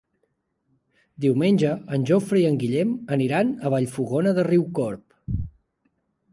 Diumenge en Jofre i en Guillem aniran a Vallfogona de Riucorb.